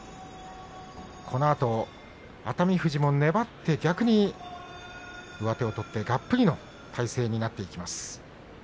このあと熱海富士も粘って逆に上手を取ってがっぷりの体勢になっていきます。